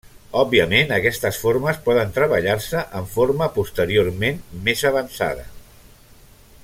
Òbviament, aquestes formes poden treballar-se en forma posteriorment més avançada.